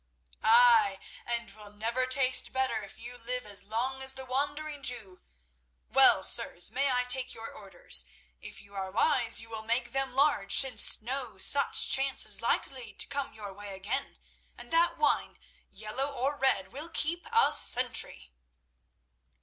"Ay, and will never taste better if you live as long as the Wandering Jew. Well, sirs, may I take your orders? If you are wise you will make them large, since no such chance is likely to come your way again, and that wine, yellow or red, will keep a century."